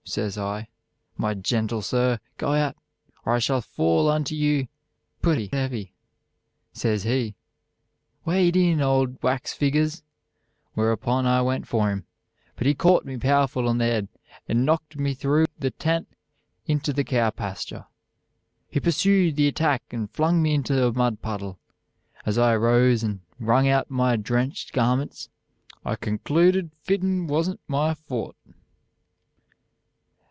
Sez I, 'My jentle sir, go out, or I shall fall onto you putty hevy.' Sez he, 'Wade in, Old Wax Figgers,' whereupon I went for him, but he cawt me powerful on the hed and knockt me threw the tent into a cow pastur. He pursood the attack and flung me into a mud puddle. As I aroze and rung out my drencht garmints, I concluded fitin was n't my fort.